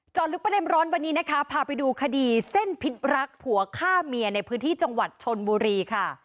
ลึกประเด็นร้อนวันนี้นะคะพาไปดูคดีเส้นพิษรักผัวฆ่าเมียในพื้นที่จังหวัดชนบุรีค่ะ